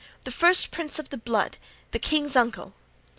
The first prince of the blood, the king's uncle!"